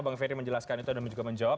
bang ferry menjelaskan itu dan juga menjawab